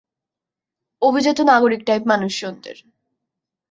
অভিজাত নাগরিক টাইপ মানুষজনদের।